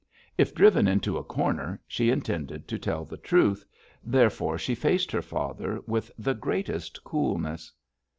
If driven into a corner, she intended to tell the truth, therefore she faced her father with the greatest coolness.